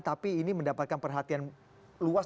tapi ini mendapatkan perhatian luas